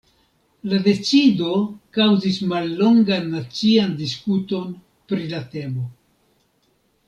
La decido kaŭzis mallongan nacian diskuton pri la temo.